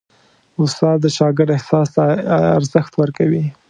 استاد د شاګرد احساس ته ارزښت ورکوي.